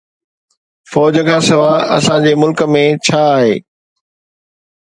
فوج کان سواءِ اسان جي ملڪ ۾ ڇا آهي؟